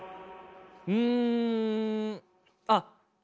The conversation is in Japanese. うんあっ